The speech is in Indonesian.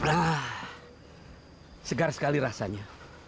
ah segar sekali rasanya